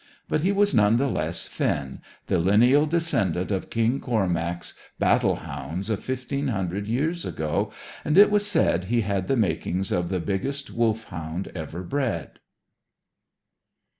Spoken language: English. But he was none the less Finn, the lineal descendant of King Cormac's battle hounds of fifteen hundred years ago; and it was said he had the makings of the biggest Wolfhound ever bred.